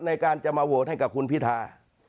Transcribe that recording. ในการจะมาโหวตให้กับคุณพิธา